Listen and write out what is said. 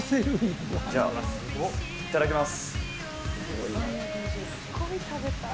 じゃあ、いただきます。